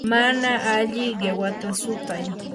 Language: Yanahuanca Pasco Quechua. mana alli qiwata sutay.